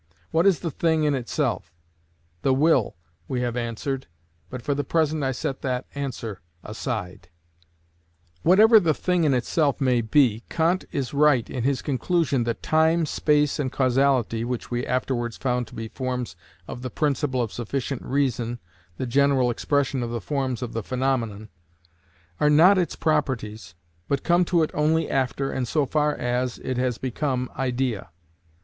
What is the thing in itself? The will, we have answered, but for the present I set that answer aside. Whatever the thing in itself may be, Kant is right in his conclusion that time, space, and causality (which we afterwards found to be forms of the principle of sufficient reason, the general expression of the forms of the phenomenon) are not its properties, but come to it only after, and so far as, it has become idea.